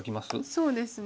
そうですね。